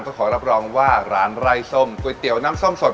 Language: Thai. ก็ขอรับรองว่าร้านไร่ส้มก๋วยเตี๋ยวน้ำส้มสด